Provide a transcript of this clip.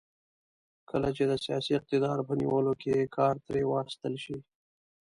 کله چې د سیاسي اقتدار په نیولو کې کار ترې واخیستل شي.